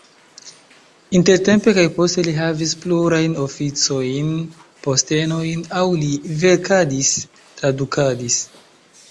Intertempe kaj poste li havis plurajn oficojn, postenojn aŭ li verkadis, tradukadis.